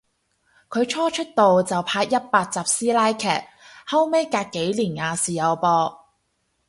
佢初出道就拍一百集師奶劇，後尾隔幾年亞視有播